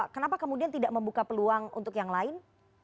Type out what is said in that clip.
kenapa kemudian tidak membuka peluang untuk yang lain